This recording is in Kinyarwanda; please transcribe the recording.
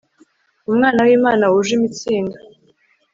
umwana w'imana; wuje imitsindo